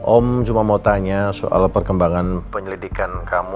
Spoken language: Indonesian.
om cuma mau tanya soal perkembangan penyelidikan kamu